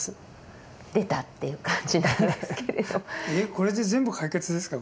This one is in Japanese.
これで全部解決ですか？